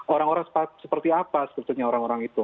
orang orang seperti apa sebetulnya orang orang itu